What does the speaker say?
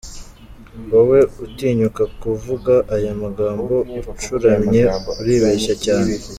Wowe utinyuka kuvuga aya magambo acuramye uribeshya cyane.